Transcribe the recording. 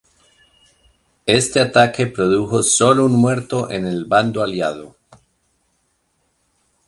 Este ataque produjo sólo un muerto en el bando aliado.